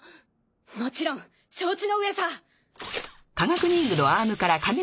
もちろん承知の上さ。